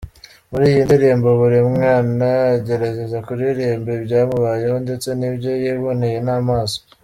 Muri iyi ndirimbo buri mwana agerageza kuririmba ibyamubayeho ndetse n’ibyo yiboneye n’amaso.